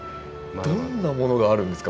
どんなものがあるんですか？